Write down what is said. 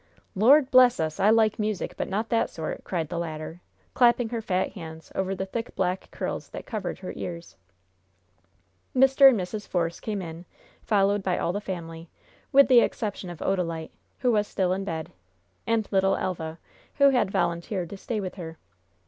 "Lord bless us! I like music, but not that sort!" cried the latter, clapping her fat hands over the thick, black curls that covered her ears. Mr. and Mrs. Force came in, followed by all the family, with the exception of Odalite, who was still in bed, and little Elva, who had volunteered to stay with her.